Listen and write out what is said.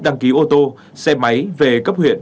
đăng ký ô tô xe máy về cấp huyện